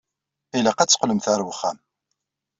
Ilaq ad teqqlemt ar wexxam.